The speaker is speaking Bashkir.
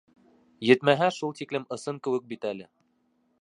Етмәһә, шул тиклем ысын кеүек бит әле!